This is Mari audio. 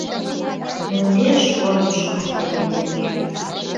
— Мӧҥгеш-оньыш коштедем тыге...